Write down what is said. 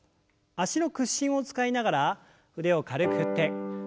脚の屈伸を使いながら腕を軽く振って。